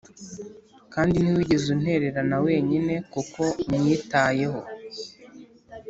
kandi ntiwigeze untererana wenyine, kuko unyitayeho